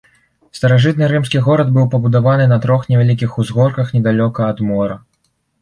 Старажытны рымскі горад быў пабудаваны на трох невялікіх узгорках недалёка ад мора.